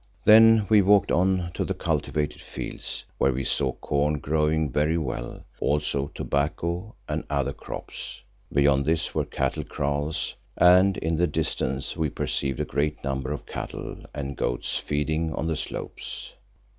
Then we walked on to the cultivated fields where we saw corn growing very well, also tobacco and other crops. Beyond this were cattle kraals and in the distance we perceived a great number of cattle and goats feeding on the slopes.